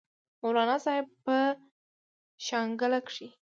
مولانا صاحب پۀ شانګله کښې